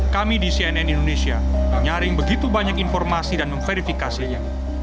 kami di cnn indonesia menyaring begitu banyak informasi dan memverifikasinya